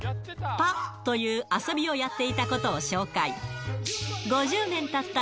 パッという遊びをやっていたことを紹介。